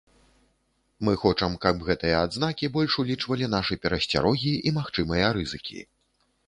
Мы хочам, каб гэтыя адзнакі больш улічвалі нашы перасцярогі і магчымыя рызыкі.